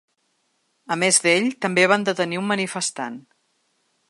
A més d’ell, també van detenir un manifestant.